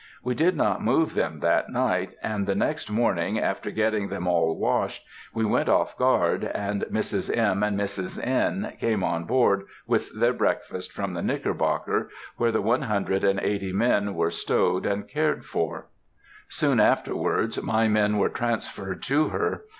We did not move them that night, and the next morning, after getting them all washed, I went off guard, and Mrs. M. and Mrs. N. came on board with their breakfast from the Knickerbocker, where the one hundred and eighty men were stowed and cared for. Soon afterwards my men were transferred to her.